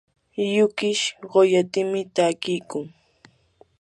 yukish quyatimi takiykun.